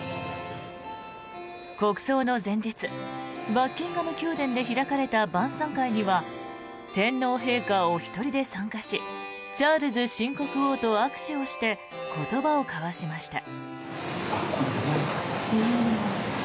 国葬の前日バッキンガム宮殿で開かれた晩さん会には天皇陛下お一人で参加しチャールズ新国王と握手をして言葉を交わしました。